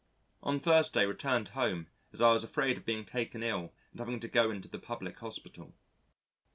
On Thursday, returned home as I was afraid of being taken ill and having to go into the public hospital.